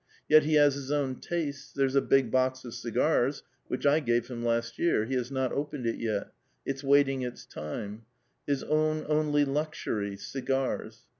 Y''et he has his own tastes ; there's a big box of cigars, which I gave him last year ; he has not opened it yet ; it's waiting its time. Yes, it's his only pleasure, his own only luxury — cigars.